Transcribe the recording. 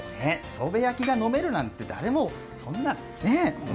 磯辺焼きが飲めるなんて誰もそんな、ねえ。